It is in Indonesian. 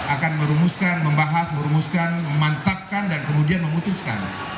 akan merumuskan membahas merumuskan memantapkan dan kemudian memutuskan